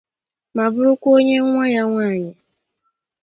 ma bụrụkwa onye nwa ya nwaanyị